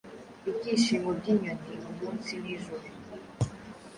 Ibyishimo by'inyoni, Umunsi n'ijoro,